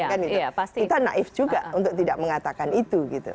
kita naif juga untuk tidak mengatakan itu